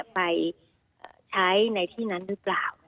ไปใช้ในที่นั้นหรือเปล่า